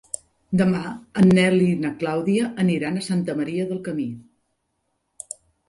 Demà en Nel i na Clàudia aniran a Santa Maria del Camí.